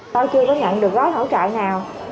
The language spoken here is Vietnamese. tôi chưa có nhận được gói thảo trợ nào